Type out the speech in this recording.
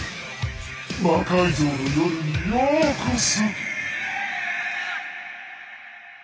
「魔改造の夜」にようこそ。